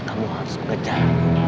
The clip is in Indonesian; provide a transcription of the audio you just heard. kamu harus mengejar